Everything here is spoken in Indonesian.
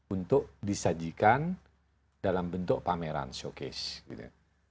untuk disajikan dalam bentuk pameran showcase gitu